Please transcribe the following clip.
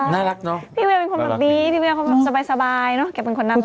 น่ารักเนอะพี่เวย์เป็นคนแบบนี้พี่เวียเขาแบบสบายเนอะแกเป็นคนน่ารัก